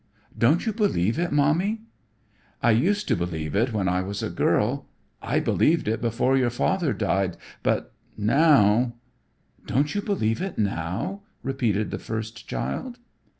"Don't you believe it, Mommy?" "I used to believe it when I was a girl. I believed it before your father died, but now " "Don't you believe it now?" repeated the first child.